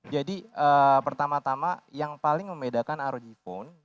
jadi pertama tama yang paling membedakan rog phone